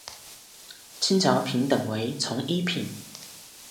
清朝品等为从一品。